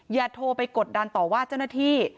อย่าโทรไปกดดันต่อว่าเจ้าหน้าที่